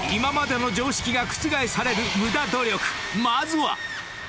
［まずは］